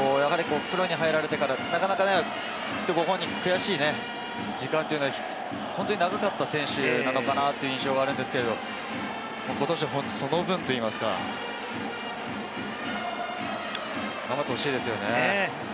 プロに入られてからなかなかご本人、悔しい時間というのが長かった選手なのかなという印象があるんですけれども、ことし、その分といいますか、頑張ってほしいですよね。